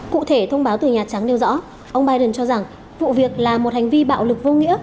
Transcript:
cụ thể thông báo từ nhà trắng nêu rõ ông biden cho rằng vụ việc là một hành vi bạo lực vô nghĩa